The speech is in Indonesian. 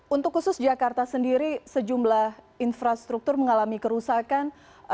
untuk khusus jakarta sendiri sejumlah infrastruktur mengalami kerusakan